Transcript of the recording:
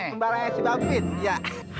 kembarannya si bapit ya